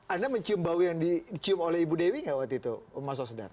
anda mencium bau yang dicium oleh ibu dewi nggak waktu itu mas osdar